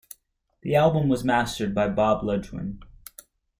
The album was mastered by Bob Ludwig.